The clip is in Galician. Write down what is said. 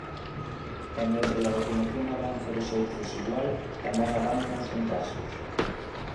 E mentres a vacinación avanza de xeito desigual, tamén avanzan os contaxios.